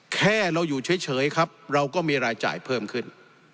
แค่เราอยู่เฉยครับเราก็มีรายจ่ายเพิ่มขึ้น